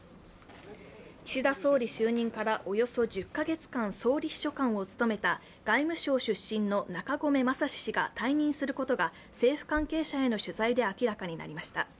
岸田総理就任からおよそ１０カ月間、総理秘書官を務めた外務省出身の中込正志氏が退任することが政府関係者への取材で明らかになりました。